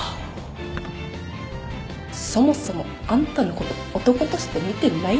そもそもあんたのこと男として見てないでしょ